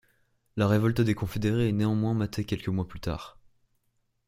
La révolte des confédérés est néanmoins matée quelques mois plus tard.